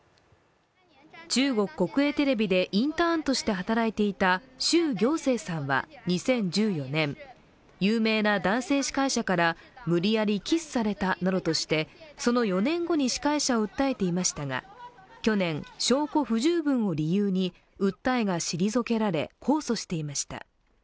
中国国営テレビでインターンとして働いていた、周暁センさんは、２０１４年、有名な男性司会者から無理やりキスされたとしてその４年後に司会者を訴えていましたが、去年、証拠不十分を理由に訴えが退けられ控訴していました。